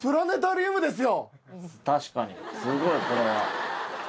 確かにすごいこれは。